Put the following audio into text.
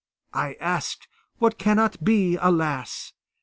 I ask what cannot be, alas!